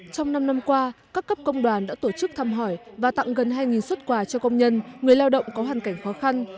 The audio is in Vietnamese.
trong năm năm qua các cấp công đoàn đã tổ chức thăm hỏi và tặng gần hai xuất quà cho công nhân người lao động có hoàn cảnh khó khăn